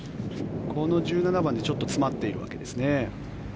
この１７番でちょっと詰まっているわけですね。